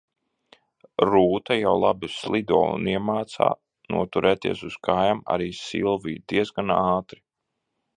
Rūta jau labi slido un iemāca noturēties uz kājām arī Silviju diezgan ātri.